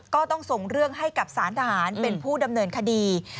ก็ต้องส่งเรื่องให้กับสารทหารเป็นผู้ดำเนินคดี